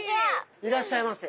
いらっしゃいませ。